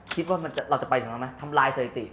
คิดเราจะไปทำไรค่ะทำลายเศรษฐรณีกรสุด